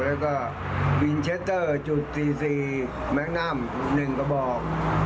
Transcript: แล้วก็วินเชตเตอร์จุด๔๔แมงนัม๑กระบอก